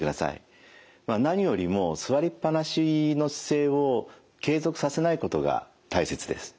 まあ何よりも座りっぱなしの姿勢を継続させないことが大切です。